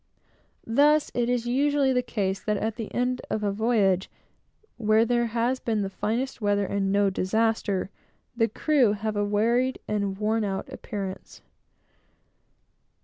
Thus it is usually the case that at the end of a voyage, where there has been the finest weather, and no disaster, the crew have a wearied and worn out appearance.